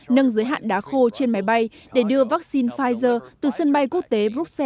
nâng giới hạn đá khô trên máy bay để đưa vaccine pfizer từ sân bay quốc tế bruxelles